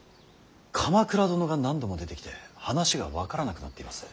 「鎌倉殿」が何度も出てきて話が分からなくなっています。